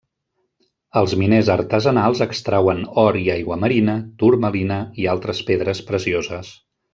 Els miners artesanals extrauen or i aiguamarina, turmalina, i altres pedres precioses.